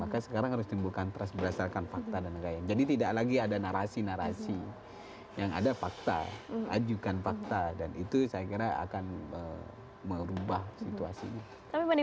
karena beberapa kali juga disampaikan